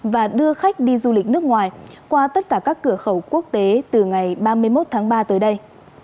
và đưa khách đi du lịch nước ngoài qua tất cả các cửa khẩu quốc tế từ ngày ba mươi một tháng ba tới đây